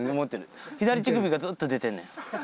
左乳首がずっと出てんねん。